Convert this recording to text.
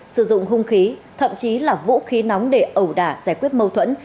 sử dụng hung khí thậm chí là vũ khí nóng để ẩu đả giải quyết mâu thuẫn